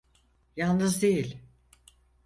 Yalnız değil.